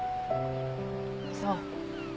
そう。